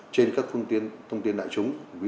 trên các thông tin đại chúng